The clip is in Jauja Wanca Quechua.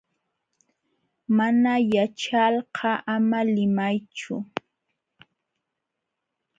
Mana yaćhalqa ama limaychu.